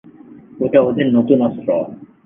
এটা ওদের নতুন অস্ত্র।